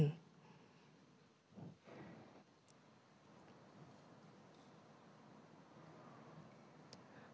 keputusan presiden jenderal tni maruli simanjuntak msc